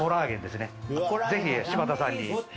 ぜひ柴田さんに。